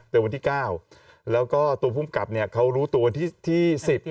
เจอวันที่๙แล้วก็ตัวผู้อำกับเขารู้ตัวที่๑๐